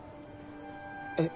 えっ？